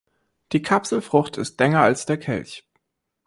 Die Kapselfrucht ist länger als der Kelch.